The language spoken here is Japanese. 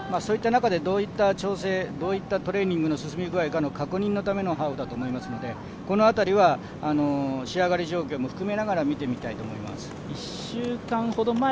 そういった中でどういった調整どういったトレーニングの進み方なのか確認のためのハーフだと思いますのでこの辺りは仕上がり状況も含めながら見てみたいと思います。